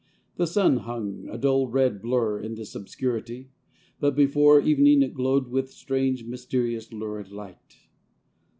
The sun hung, a dull red blur in this obscurity ; but before evening it glowed with strange, mysterious, lurid light.